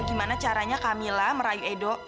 gimana caranya camilla merayu edo